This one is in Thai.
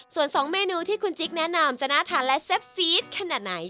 ส่วน๒เมนูที่คุณจิ๊กแนะนำจะน่าทานและเซฟซีดขนาดไหน